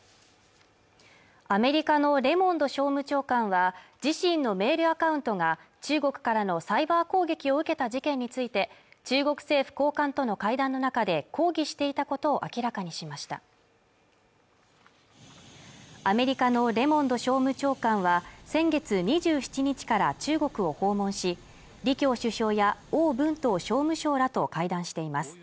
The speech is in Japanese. アメリカのレモンド商務長官は自身のメールアカウントが中国からのサイバー攻撃を受けた事件について中国政府高官との会談の中で抗議していたことを明らかにしましたアメリカのレモンド商務長官は先月２７日から中国を訪問し李強首相や王文濤商務相らと会談しています